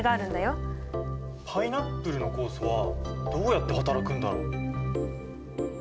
パイナップルの酵素はどうやってはたらくんだろう？